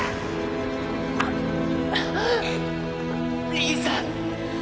兄さん！